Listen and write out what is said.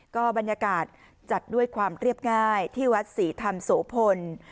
ก็บรรยากาศจัดด้วยความเรียบง่ายที่วัดศรีธรรมโสพล